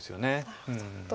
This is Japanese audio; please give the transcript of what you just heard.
なるほど。